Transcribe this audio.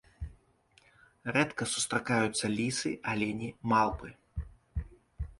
Рэдка сустракаюцца лісы, алені, малпы.